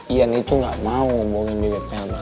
ian itu gak mau ngomongin bebek melmel